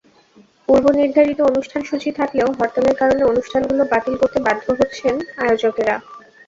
পূর্বনির্ধারিত অনুষ্ঠানসূচি থাকলেও হরতালের কারণে অনুষ্ঠানগুলো বাতিল করতে বাধ্য হচ্ছেন আয়োজকেরা।